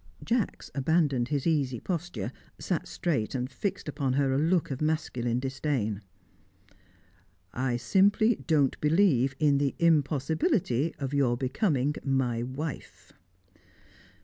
Jacks abandoned his easy posture, sat straight, and fixed upon her a look of masculine disdain. "I simply don't believe in the impossibility of your becoming my wife."